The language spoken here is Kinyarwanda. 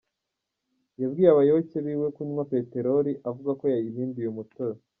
Yabwiye abayoboke biwe kunywa peterori, avuga ko yayihinduye umutobe.